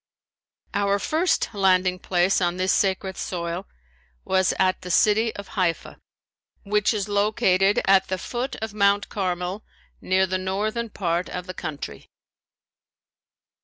Our first landing place on this sacred soil was at the city of Haifa, which is located at the foot of Mount Carmel near the northern part of the country.